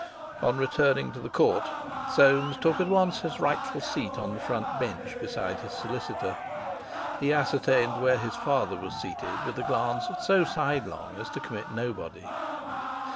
On returning to the court Soames took at once his rightful seat on the front bench beside his solicitor. He ascertained where his father was seated with a glance so sidelong as to commit nobody.